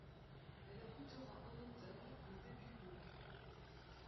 Elle abritera un hôtel et des bureaux.